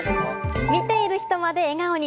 見ている人まで笑顔に！